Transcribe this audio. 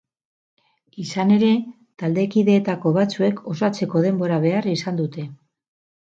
Izan ere, taldekideetako batzuek osatzeko denbora behar izan dute.